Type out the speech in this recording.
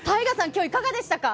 今日いかがでしたか？